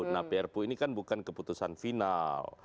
nah prpu ini kan bukan keputusan final